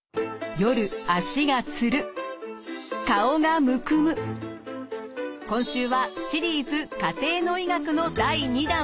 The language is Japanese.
夜今週はシリーズ「家庭の医学」の第２弾。